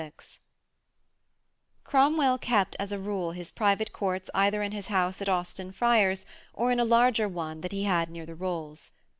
VI Cromwell kept as a rule his private courts either in his house at Austin Friars, or in a larger one that he had near the Rolls.